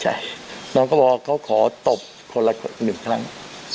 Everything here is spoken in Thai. ใช่น้องก็บอกว่าเขาขอตบคนละหนึ่งครั้ง